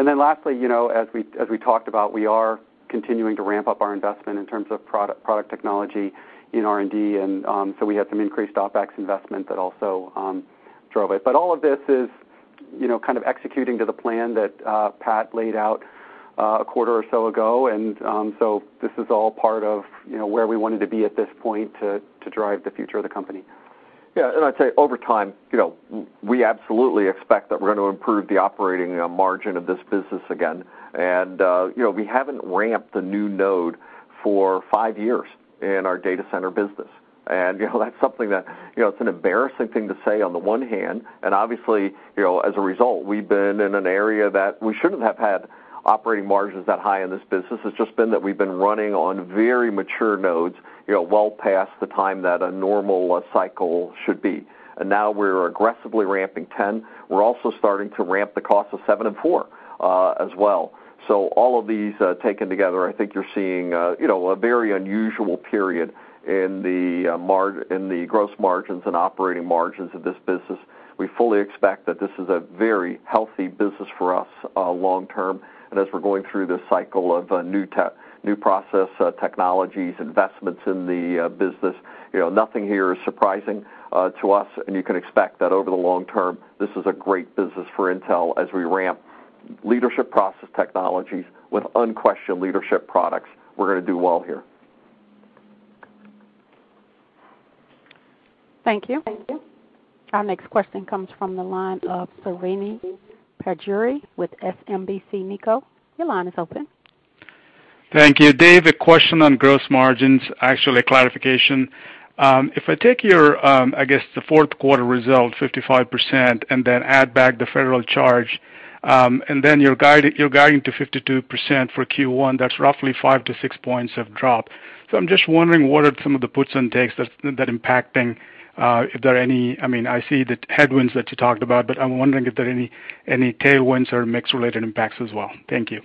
Then lastly, you know, as we talked about, we are continuing to ramp up our investment in terms of product technology in R&D, and we had some increased OpEx investment that also drove it. All of this is, you know, kind of executing to the plan that Pat laid out a quarter or so ago. This is all part of, you know, where we wanted to be at this point to drive the future of the company. Yeah. I'd say over time, you know, we absolutely expect that we're gonna improve the operating margin of this business again. You know, we haven't ramped a new node for five years in our data center business. You know, that's something that, you know, it's an embarrassing thing to say on the one hand, and obviously, you know, as a result, we've been in an area that we shouldn't have had operating margins that high in this business. It's just been that we've been running on very mature nodes, you know, well past the time that a normal life cycle should be. Now we're aggressively ramping 10. We're also starting to ramp Intel 7 and Intel 4 as well. All of these taken together, I think you're seeing you know, a very unusual period in the gross margins and operating margins of this business. We fully expect that this is a very healthy business for us long term. As we're going through this cycle of new process technologies, investments in the business, you know, nothing here is surprising to us, and you can expect that over the long term, this is a great business for Intel as we ramp leadership process technologies with unquestioned leadership products. We're gonna do well here. Thank you. Our next question comes from the line of Srini Pajjuri with SMBC Nikko. Your line is open. Thank you. Dave, a question on gross margins. Actually, a clarification. If I take your, I guess the fourth quarter result, 55%, and then add back the federal charge, and then you're guiding to 52% for Q1, that's roughly 5-6 points of drop. I'm just wondering what are some of the puts and takes that are impacting, if there are any. I mean, I see the headwinds that you talked about, but I'm wondering if there are any tailwinds or mix-related impacts as well. Thank you.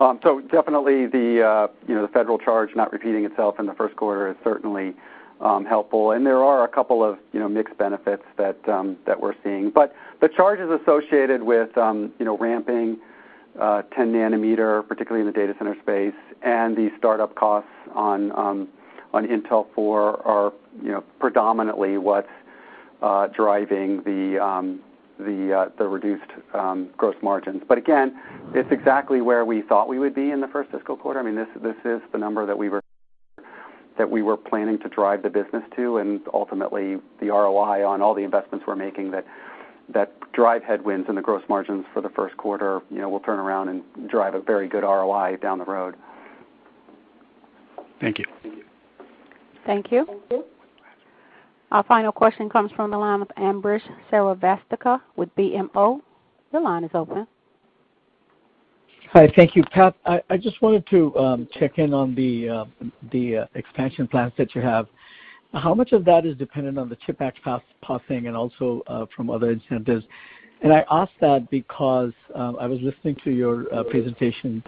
Yeah. Sure. So definitely the, you know, the federal charge not repeating itself in the first quarter is certainly helpful. There are a couple of, you know, mixed benefits that we're seeing. The charges associated with, you know, ramping 10 nanometer, particularly in the data center space and the startup costs on Intel 4 are, you know, predominantly what's driving the reduced gross margins. Again, it's exactly where we thought we would be in the first fiscal quarter. I mean, this is the number that we were planning to drive the business to, and ultimately the ROI on all the investments we're making that drive headwinds in the gross margins for the first fiscal quarter, you know, will turn around and drive a very good ROI down the road. Thank you. Thank you. Our final question comes from the line of Ambrish Srivastava with BMO. Your line is open. Hi. Thank you, Pat. I just wanted to check in on the expansion plans that you have. How much of that is dependent on the CHIPS Act passing, and also from other incentives? I ask that because I was listening to your presentation,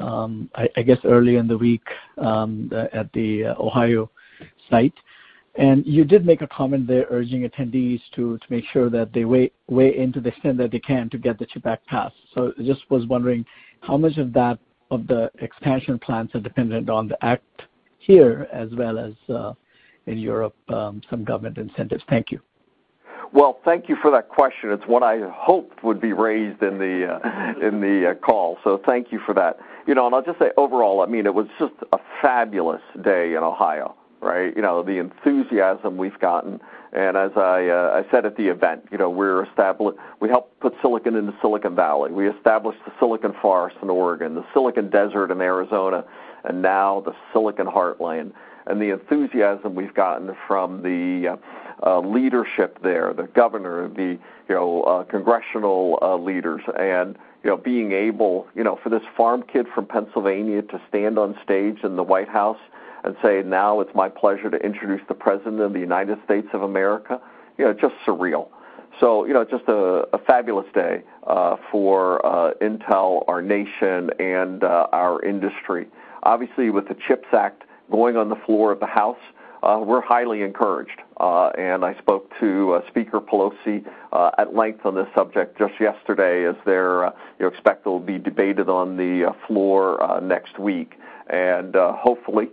I guess earlier in the week, at the Ohio site, and you did make a comment there urging attendees to make sure that they weigh in to the extent that they can to get the CHIPS Act passed. I just was wondering how much of that, of the expansion plans are dependent on the act here as well as in Europe, some government incentives. Thank you. Well, thank you for that question. It's one I hoped would be raised in the call, so thank you for that. You know, and I'll just say overall, I mean, it was just a fabulous day in Ohio, right? You know, the enthusiasm we've gotten, and as I said at the event, you know, we helped put silicon into Silicon Valley. We established the Silicon Forest in Oregon, the Silicon Desert in Arizona, and now the Silicon Heartland. The enthusiasm we've gotten from the leadership there, the governor, the congressional leaders. You know, being able for this farm kid from Pennsylvania to stand on stage in the White House and say, "Now it's my pleasure to introduce the President of the United States of America," you know, just surreal. You know, just a fabulous day for Intel, our nation, and our industry. Obviously, with the CHIPS Act going on the floor of the House, we're highly encouraged. I spoke to Speaker Pelosi at length on this subject just yesterday. As you expect, it'll be debated on the floor next week. Hopefully,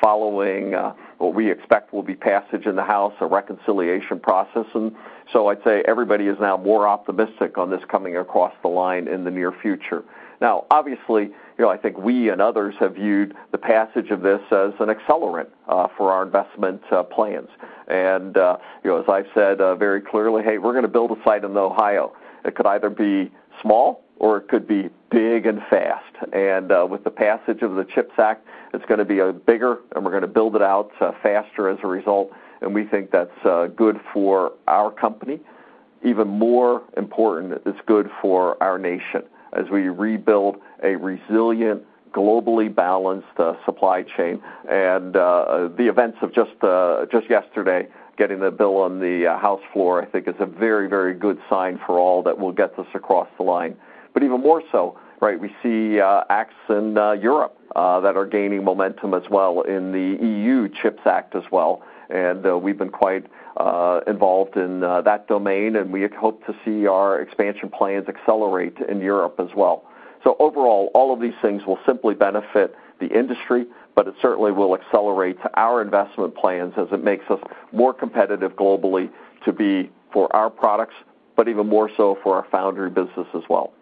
following what we expect will be passage in the House, a reconciliation process. I'd say everybody is now more optimistic on this coming across the line in the near future. Now, obviously, you know, I think we and others have viewed the passage of this as an accelerant for our investment plans. You know, as I've said very clearly, hey, we're gonna build a site in Ohio. It could either be small or it could be big and fast. With the passage of the CHIPS Act, it's gonna be bigger, and we're gonna build it out faster as a result, and we think that's good for our company. Even more important, it's good for our nation as we rebuild a resilient, globally balanced supply chain. The events of just yesterday, getting the bill on the House floor, I think is a very, very good sign for all that will get this across the line. Even more so, right? We see acts in Europe that are gaining momentum as well in the EU Chips Act as well. We've been quite involved in that domain, and we hope to see our expansion plans accelerate in Europe as well. Overall, all of these things will simply benefit the industry, but it certainly will accelerate our investment plans as it makes us more competitive globally to be for our products, but even more so for our foundry business as well.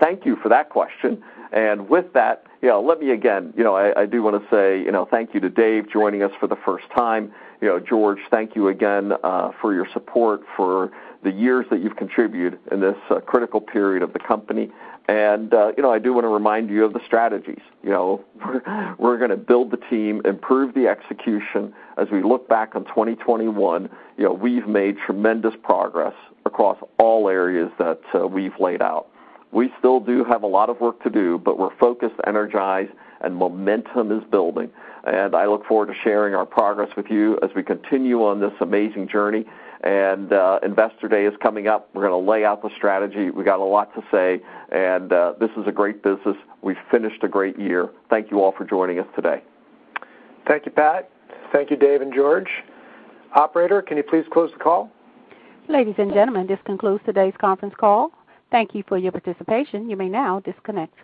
Thank you for that question. With that, you know, let me again, you know, I do wanna say, you know, thank you to Dave joining us for the first time. You know, George, thank you again, for your support, for the years that you've contributed in this, critical period of the company. You know, I do wanna remind you of the strategies. You know, we're gonna build the team, improve the execution. As we look back on 2021, you know, we've made tremendous progress across all areas that, we've laid out. We still do have a lot of work to do, but we're focused, energized, and momentum is building. I look forward to sharing our progress with you as we continue on this amazing journey. Investor Day is coming up. We're gonna lay out the strategy. We got a lot to say, and this is a great business. We've finished a great year. Thank you all for joining us today. Thank you, Pat. Thank you, Dave and George. Operator, can you please close the call? Ladies and gentlemen, this concludes today's conference call. Thank you for your participation. You may now disconnect.